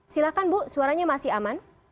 silahkan bu suaranya masih aman